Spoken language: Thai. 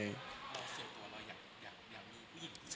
รู้สึกว่าอยากมีผู้หญิงที่ใช้